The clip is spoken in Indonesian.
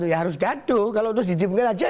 ya harus gaduh kalau terus didiemkan aja